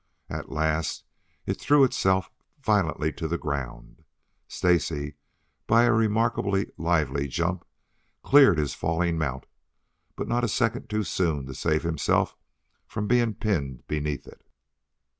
At last it threw itself violently to the ground. Stacy, by a remarkably lively jump, cleared his falling mount, but not a second too soon to save himself from being pinned beneath it.